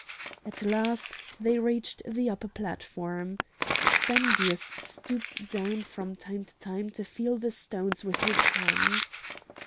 At last they reached the upper platform. Spendius stooped down from time to time to feel the stones with his hand.